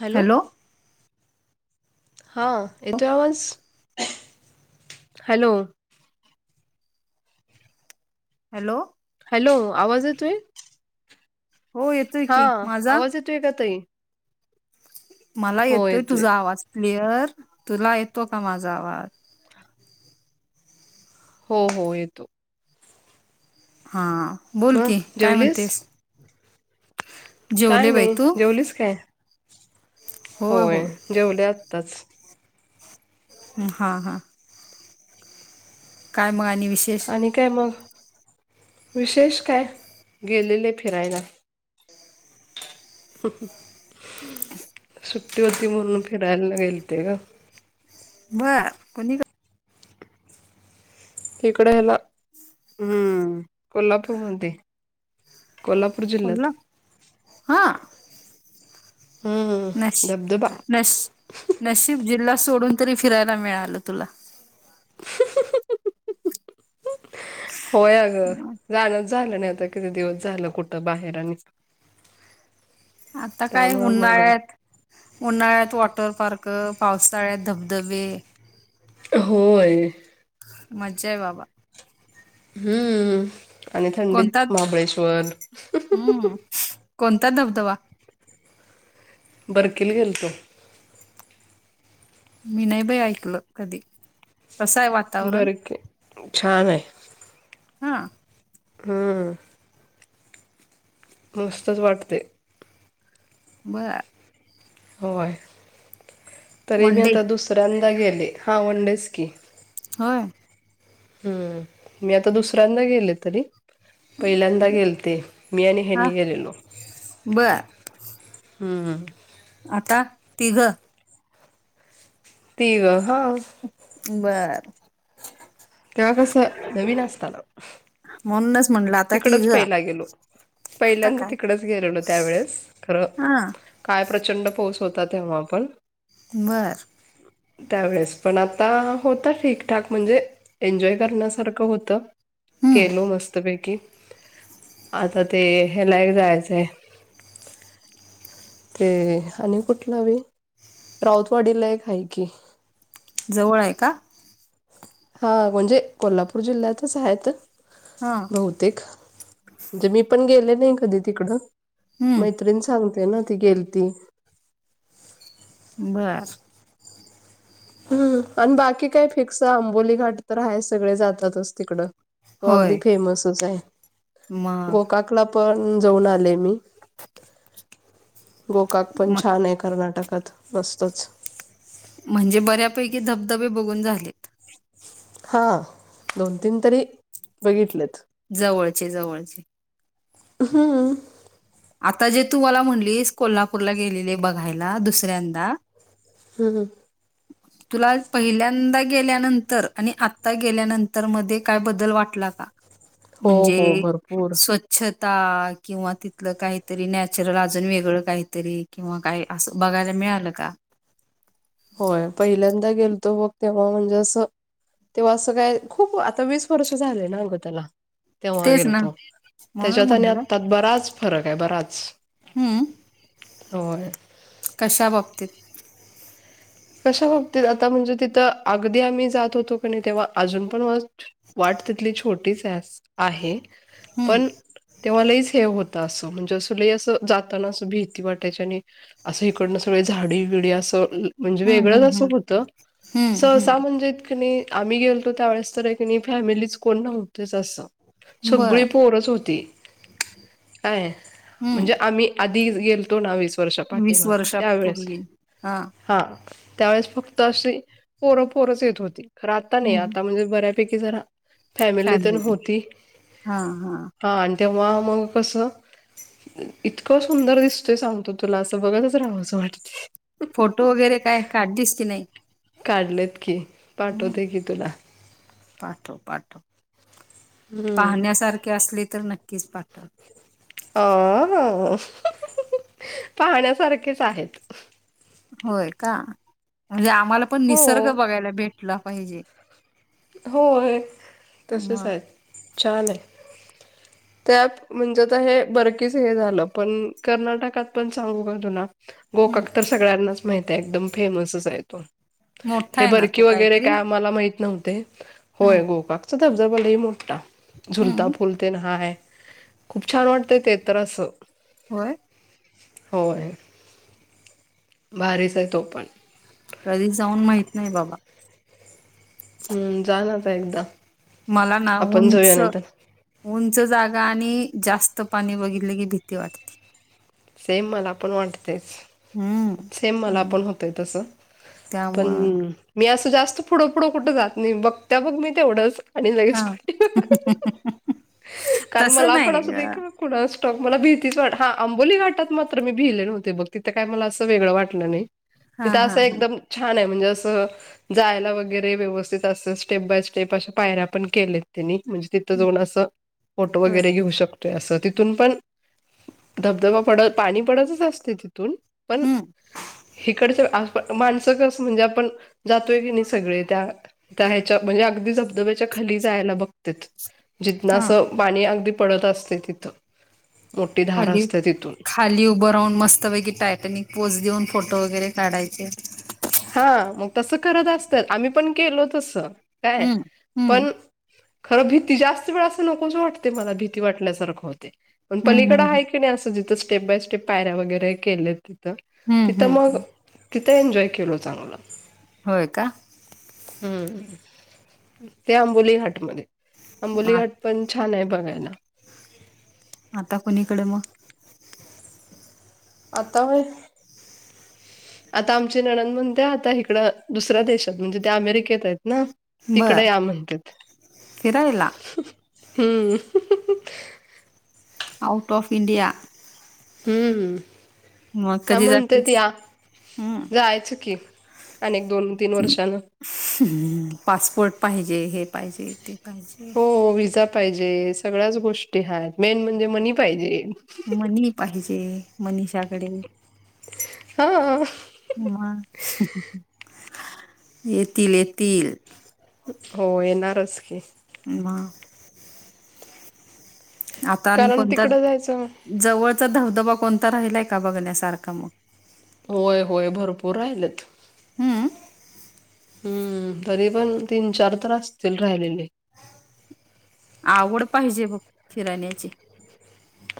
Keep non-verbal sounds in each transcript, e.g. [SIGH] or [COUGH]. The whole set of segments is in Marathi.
हॅलो. हां. येतोय आवाज? हॅलो. हॅलो. हॅलो. आवाज येतोय? हो येतोय की हां. माझा आवाज येतोय का ताई? मला येतोय तुझा आवाज क्लिअर. तुला येतो का माझा आवाज? हो. हो येतो. हां. बोल मग की काय जेवलीस म्हणतेस? काय जेवले बाई नाही. तू जेवलीस काय? होय जेवले आत्ताच. हं. हा. हा. काय म आणि विशेष? आणि काय म? विशेष काय? गेलेले फिरायला. सुट्टी होती म्हणून फिरायला गेलते ग. बर. कोणी कडे? इकड हयेला. हम्म. कोल्हापुर मध्ये. [UNINTELLIGIBLE] हा. नश हम्म धबधबा नश नशिब जिल्हा सोडून तरी फिरायला मिळालं तुला. होय अगं. जाण- झालं नाही. आता किती दिवस झालं कुठं बाहेर आणि. आता काय त्यामुळे मग उन्हाळ्यात- उन्हाळ्यात वॉटर पार्क, पावसाळ्यात धबधबे. होय. मज्जाय बाबा. हम्म. आणि थंडीत कोणता महाबळेश्वर. हम्म. कोणता धबधबा? बरकिल गेलतो. मी नाही बाई ऐकलं कधी. कसाय वा- बरकी? छान ए. हा? हम्म. मस्तच वाटते. बर होय. तरी वनडे मीआता दुसऱ्यांदा गेले. हा म्हणालीस कि, होय हम्म. मी आता दुसऱ्यांदा गेले तरी. पहिल्यांदा गेलते मी आणि हा हनी गेलेलो. बर हम्म हम्म आता तिघ तिघ ह. बर तेव्हा कस नवीन असताना. म्हूणनच म्हटल आता तिकडच तीघ. पहिला गेलो. पहिल्यांदा तिकडच गेलेलो त्यावेेळेस खर. हा काय प्रचंड पाऊस होता तेव्हा पण. बर त्यावेेळेस पण आता होता ठीकठाक म्हणजे. एन्जॉय करण्यासारख होत. हम्म केलो मस्तपैकी आता ते हेला ही जायचय हे. ते आणि कुठला व रावतवाडीला एक आहे की. जवळ आहे का? हा म्हणजे कोल्हापूर जिल्ह्यातच आहेत. हा बहुतेक. म्हणजे मी पण गेले नाही कधी तिकड. हम्म म त्रिन सांगते ना. ती गेल ती. बर हम्म आणि बाकी काय फिक्स आहे आंबोली घाट तर आहे सगळे जातातच तिकड. तो अगदी होय फेमसच आहे मग गोगर्क ला पण जाऊन आले मी. गोकर्क पण म- छान आहे कर्नाटकात मस्तच. म्हणजे बऱ्यापैकी धबधबे बघून झालेत. हा दोन तीन तरी बघितलेत. जवळचे जवळचे. हम्म. आता जे तू मला म्हणलीस कोल्हापूरला गेलेले बघायला दुसऱ्यांदा हम ह. तुला पहिल्यांदा गेल्यानंतर आणि आता गेल्यानंतर मध्ये काय बदल वाटला का? हो हो म्हणजे भरपूर स्वच्छता किंवा ति ल काहीतरी नॅचरल अजून वेगळ काहीतरी किंवा काही असं बघायला मिळाल का? होय पहिल्यांदा गेलतो मग तेव्हा म्हणजे अस. तेव्हा अस काय खूप आता वीस वर्ष झाले ना अग त्याला. तेव्हा तेच ना गेलतो म्हणून त्याच्यात आणि म्हटलं आता बराच फरक हे बराच. होय कश्या बाबतीत. कशा बाबतीत आता म्हणजे तिथ अगदी आम्ही जात होतो क नाही तेव्हा अजून पण वाट तिथली छोटीच आहे हं, पण तेव्हालाहीच हे होत अस म्हणजे अस ल अस जाताना अस भीती वाटायची आणि असं इकडनं सगळे झाडी बिडी असं म्हणजे हं, वेगळंच हं, असं हं, होतं, हं, सहसा हं. म्हणजे क नयी आम्ही गेलतो त्या वेळेस तर आहे क नयी फॅमिलीच कोण नव्हतच असं. सगळी बरं. पोरच होती काय, हं. म्हणजे आम्ही आधी गेल तो ना वीस वर्षा वीस पाठीमागं त्यावेळेस वर्षापूर्वी हा हा त्यावेळेस फक्त अशी पोर, पोरच येत होती खरं आता नाही हं. आता म्हणजे बऱ्या- पैकी, जरा फॅमिली तेन होती. हां, हां. हा आणि तेव्हा मग कस इतकं सुंदर दिसतोय सांगतो तुला, अस बघतच राहावस वाटतंय. फोटो वगैरे काय काढलीस की नाही? काढलेत की, हं. पाठवते की तुला पाठव पाठव, हम्म पाहण्यासारखे असले तर नक्कीच पाठव. अ हा, पाहण्यासारखेच आहेत. होय का, म्हणजे आम्हाला पण हो निसर्ग बघायला भेटला पाहिजे. होय तसच मग आहेत छान आहे त्यात म्हणजे आता हे बरकीच हे झालं, पण कर्नाटकात पण सांगू का तुला हम्म गोकाक तर सगळ्यांनाच माहित आहे, एकदम फेमसच आहे तो. मोठा हे आहे ना बरकी तो वगैरे काहीतरी काय आम्हाला माहित नव्हते. हा होय गोकाकचा धबधाबा लय मोठा झुलता हम्म पूल हाय खूप छान वाटतंय ते तर असं व्हय. होय, भारीच आहे तो पण कधी जाऊन माहित नाही बाबा हम्म, जाना आता एकदा मला ना आपण उंच जाऊया नाहीतर उंच जागा आणि जास्त पाणी बघितले की भीती वाटते. सेम मला पण वाटतेच. सेम मला हम्म पण होतंय तस, पण त्यामुळं मी असं जास्त पुढ-पुढ कुठ जात नाही बघत्या बघ मी तेवढच आणि हा लगेच [UNINTELLIGIBLE] कारण तसं मला पण नाही असू दे हा का कुणास ठाऊक मला भीतीच वाट, हा आंबोली घाट टात मात्र मी भिले नव्हते बघ, तिथं काय मला असं वेगळं वाटलं नाही, हा तिथं हा असं एकदम छान आहे म्हणजे अस जायला वगैरे व्यवस्थित अस स्टेप बाय स्टेप अशा पायऱ्या पण केलेत. त्यांनी म्हणजे तिथं जावून असं फोटो होय वगैरे घेऊ शक असं तिथून पण धबधबा पडत, पाणी पडतच असतय तिथून पण, हम्म हिकडच आ माणस कस म्हणजे आपण जातोय की नाही सगळे त्या, त्या ह्याच्या म्हणजे अगदी धबधबे च्या खाली जायला बघत्यात, जितन अस हा पाणी अगदी पडत असतय तिथं. मोठी धार खाली असते तिथून खाली उभं राहून मस्तपैकी टायटॅनिक पोज देऊन फोटो वगैरे काढायचे हा मग तसं करत असतात आम्ही पण केलो तसं, काय हम्म हम्म पण खरं भीती जास्त वेळ असं नकोच वाटतय मला भीती वाटल्यासारखं होतय. पण हं, पलीकडं हं, हं. आहे की नाही असं जिथं स्टेप बाय स्टेप पायऱ्या वगैरे केल्याती. तिथं हं, तिथं हं, मग हं. तिथं एन्जॉय केलो चांगल होय का हम्म, ते आंबोली घाटमध्ये आंबोली आ घाट पण छान ये बघायला आता कुणीकड म आता होय. आता आमची नंनद म्हणत्या आता हिकडं दुसऱ्या देशात म्हणजे ते अमेरिकेत आहेत ना तिकडे बरं. या म्हणत्यात, फिरायला हम्म आऊट ऑफ इंडिया हम्म, मग त्या कधी म्हणतेत जातेस? या हं. जायचं की आणि दोन तीन वर्षान हम्म, पासपोर्ट पाहिजे हे पाहिजे ते पाहिजे. हो, व्हिजा पाहिजे सगळ्याच गोष्टी आहेत मेन म्हणजे मनी पाहिजे. मनी पाहिजे मनीषाकडे हो. मग येतील येतील. हो, येणारच की मग आता आणि कारण कोणता तिकडं जायचं. जवळचा धबधबा कोणता राहिलाय का बघण्यासारखा मग होय होय भरपूर राहिलेत. हम्म हम्म, तरी पण तीन चार तर असतील राहिलेले आवड पाहिजे बघ फिरण्याची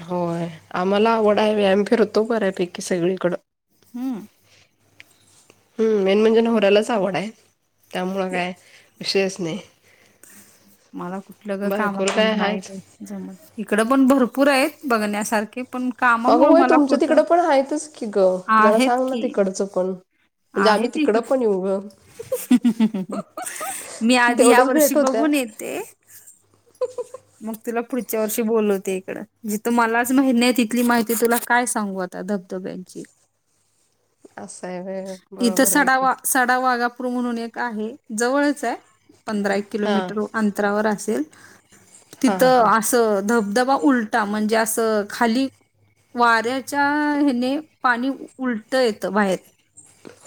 होय, आम्हाला आवड हाय बाई आम्ही फिरतो बऱ्यापैकी सगळीकडं हम्म हम्म, मेन म्हणजे नवऱ्यालाच आवड आहे त्यामुळं ते काय विषयच नाही. मला कुठलं ग बायकोला कामातून काय नाही हायच. जमत, इकडं पण भरपूर आहेत बघण्यासारखे पण अगं कामामुळ होय मला तुमच्या कुठं, तिकडं पण आहेत की चुकून आहेत इथं मी आधी ह्या तेवढंच वर्षी भेट होत्या. बघून येते. मग तुला पुढच्या वर्षी बोलवते इकडं जिथ मलाच माहित नाही तिथली माहिती तुला काय सांगू आता त्या धबधब्यांची [UNINTELLIGIBLE] असं आहे व्हय, इथं बरोबर आहे सडा की. वा सडा वाघापूर म्हणून एक आहे जवळच आहे पंधरा एक हां, किलोमीटर अंतरावर असेल हां तिथं हां, असं धबधबा उलटा म्हणजे असं खाली वाऱ्याच्या ह्याने पाणी उलट येतं बाहेर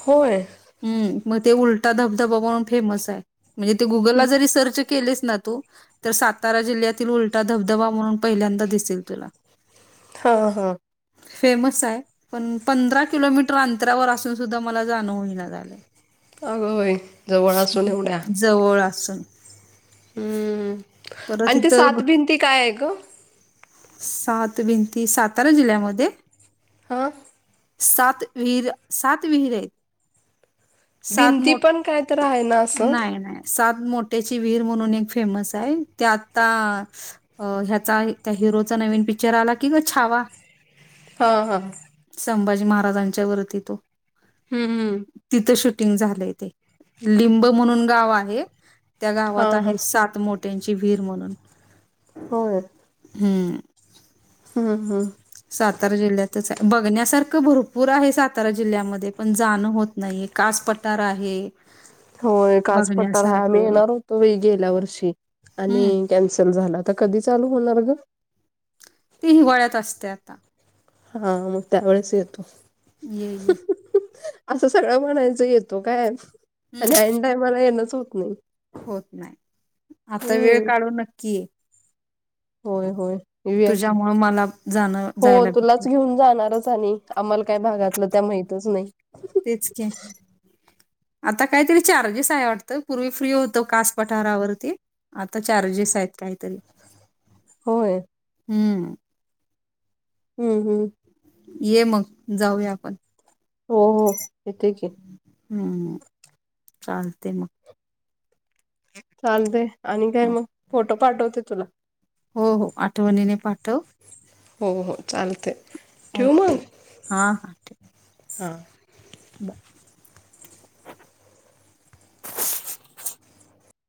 होय. हम्म, मग ते उलटा धबधबा म्हणून फेमस आहे म्हणजे ते गुगलला जरी सर्च केलीस ना तू तर सातारा जिल्ह्यातील उलटा धबधबा म्हणून पहिल्यांदा दिसेल तुला हा हा फेमस आहे, पण पंधरा किलोमीटर अंतरावर असून सुद्धा मला जाणं होईना. झाल. आग बाई जवळ असून एवढ्या जवळ असून हम्म परत आणि ते इथं सात भिंती काय आहे ग सात भिंती सातारा जिल्ह्यांमध्ये? हां. सात विहीर सात विहिरी आहेत. सात भिंती मो, पण काय तर आहे ना असं नाही नाही सात मोट्याची विहीर म्हणून एक फेमस आहे, ते आता ह्याचा त्या हिरोचा नवीन पिक्चर आला की गं छावा हां हां. संभाजी महाराजांच्या वरती तो हम्म. तिथं शूटिंग झालंय ते लिंब म्हणून गाव आहे. त्या हा गावात हा आहे सात मोट्यांची वहीर म्हणून होय. हम्म. हां हां. सातारा जिल्ह्यात. बघण्यासारखं भरपूर आहे सातारा जिल्ह्यामध्ये पण जाणं होत नाहीये, कास पठार आहे. होय कास पठार आहे आम्ही बघण्यासारखं. येणार होतो बाई गेल्या वर्षी हं. आणि कॅन्सल झालं आता कधी चालू होणार गं? ते हिवाळ्यात असतंय आता. हां मग त्यावेळेस येतो. ये ये. असं सगळं म्हणायचं येतो काय हं. आणि ऐन टायमाला येणच होत नाही. होत नाही, आता वेळ हम्म काढून नक्की ये. होय होय येऊया की तुझ्यामुळे मला जाणं हो जायला भेटेल तुलाच घेऊन जाणारच आणि आम्हाला काय भागातलं त्या माहितच नाही. तेच की. आता काहीतरी चार्जेस आहे वाटतं, पूर्वी फ्री होत कास पठारावरती. आता चार्जेस आहेत काहीतरी. होय! हम्म. हम्म हम्म. ये मग, जाऊया आपण. हो हो येते की. हम्म, चालतंय मग. चालतंय, आणि काय मग फोटो पाठवते तुला. हो हो, आठवणीने पाठव. हो हो, चालतंय ठेऊ ओके मग! हां हां हां. ठेव